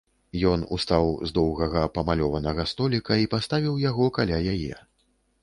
Ён устаў з доўгага памалёванага столка і паставіў яго каля яе.